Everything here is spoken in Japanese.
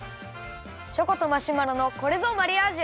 チョコとマシュマロのこれぞマリアージュ！